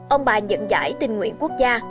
ông bà nhận giải tình nguyện quốc gia